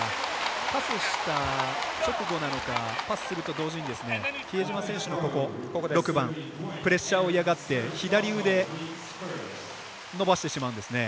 パスした直後なのかパスすると同時に比江島選手プレッシャーを嫌がって左腕伸ばしてしまうんですね。